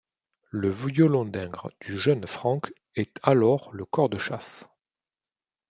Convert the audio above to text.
Le violon d'Ingres du jeune Frank est alors le cor de chasse.